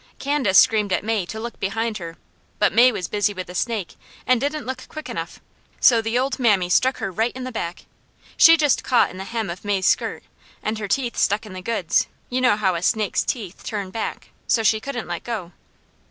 Candace screamed at May to look behind her, but May was busy with the snake and didn't look quick enough, so the old mammy struck right in her back. She just caught in the hem of May's skirt, and her teeth stuck in the goods you know how a snake's teeth turn back so she couldn't let go.